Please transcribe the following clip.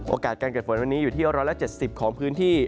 การเกิดฝนวันนี้อยู่ที่๑๗๐ของพื้นที่